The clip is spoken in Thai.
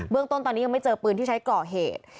เรื่องต้นตอนนี้ยังไม่เจอปืนที่ใช้ก่อเหตุ